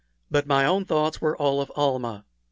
But my own thoughts were all of Almah.